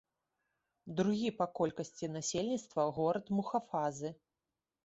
Другі па колькасці насельніцтва горад мухафазы.